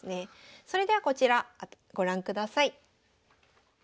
それではこちらご覧ください。